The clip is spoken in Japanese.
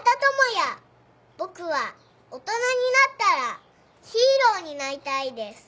「ぼくはおとなになったらヒーローになりたいです」